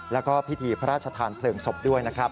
และพิธีพระราชทานเผลิมศพด้วย